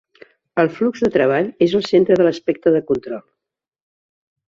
El flux de treball és el centre de l'aspecte de control.